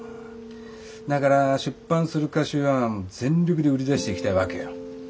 だから出版する歌集は全力で売り出していきたいわけよ。